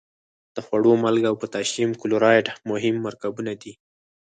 د خوړو مالګه او پوتاشیم کلورایډ مهم مرکبونه دي.